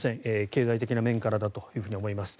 経済的な面からだと思います。